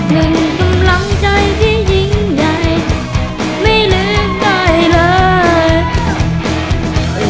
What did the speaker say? มึงต้องรักใจที่ยิ่งใหญ่ไม่ลืมได้เลย